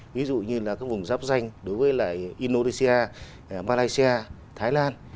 ví dụ như là các vùng giáp danh đối với lại indonesia malaysia thái lan